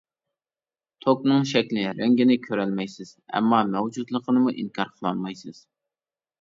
توكنىڭ شەكلى، رەڭگىنى كۆرەلمەيسىز، ئەمما مەۋجۇتلۇقىنىمۇ ئىنكار قىلالمايسىز.